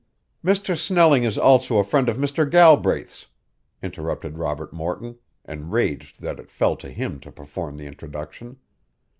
"Mr. Snelling is also a friend of Mr. Galbraith's," interrupted Robert Morton, enraged that it fell to him to perform the introduction.